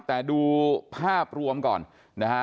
แต่ดูภาพรวมก่อนนะฮะ